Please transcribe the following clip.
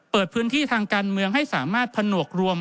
เปิดพื้นที่ทางการเมืองให้สามารถผนวกรวม